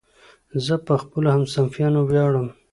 زه په خپلو همصنفیانو ویاړم.